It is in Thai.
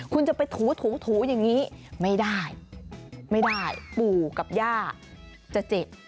คุณจะไปถูถูถูอย่างนี้ไม่ได้ไม่ได้ปู่กับย่าจะเจ็บ